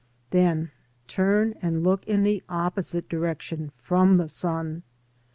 Then turn and look in the opposite direction from the sun.